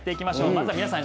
まずは皆さん